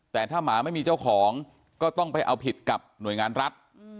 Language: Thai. แต่ถ้าหมาไม่มีเจ้าของก็ต้องไปเอาผิดกับหน่วยงานรัฐ